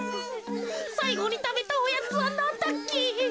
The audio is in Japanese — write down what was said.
さいごにたべたおやつはなんだっけ。